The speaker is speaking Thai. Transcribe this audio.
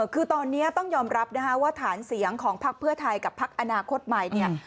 คือตอนนี้ต้องยอมรับนะคะว่าฐานเสียงของพักเพื่อไทยกับพักอนาคตใหม่เนี่ย